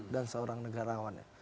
dan seorang negarawan